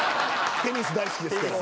テニス大好きですから。